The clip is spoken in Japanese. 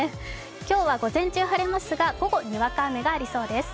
今日は午前中晴れますが午後、にわか雨がありそうです。